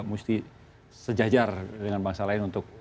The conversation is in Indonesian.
mesti sejajar dengan bangsa lain untuk